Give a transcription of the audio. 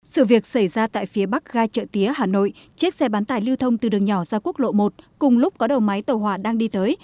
sự việc xảy ra tại phía bắc gai chợ tía hà nội chiếc xe bán tải lưu thông từ đường nhỏ ra quốc lộ một cùng lúc có đầu máy tàu hỏa đang đi tới